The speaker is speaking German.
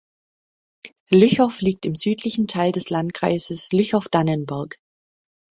Lüchow liegt im südlichen Teil des Landkreises Lüchow-Dannenberg.